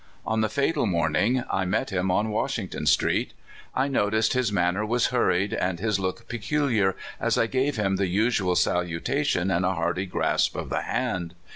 On the fatal morning I met him on Washington street. I noticed his manner was hurried and his look peculiar, as I gave him the usual salutation and a hearty grasp of the hand.